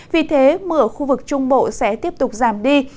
vì thế mưa ở khu vực trung bộ sẽ tiếp tục giảm đi